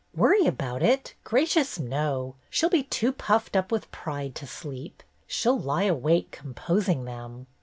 "Worry about it? Gracious, no! She'll be too puffed up with pride to sleep. She'll lie awake composing them."